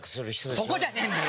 そこじゃねえんだよ。